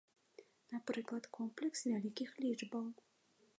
Напрыклад, комплекс вялікіх лічбаў.